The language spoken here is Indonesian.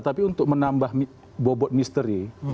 tapi untuk menambah bobot misteri